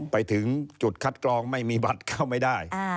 ไปถึงจุดคัดกรองไม่มีบัตรเข้าไม่ได้